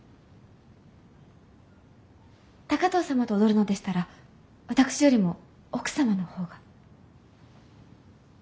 高藤様と踊るのでしたら私よりも奥様の方が。